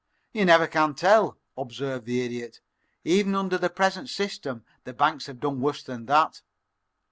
"You never can tell," observed the Idiot. "Even under their present system the banks have done worse than that."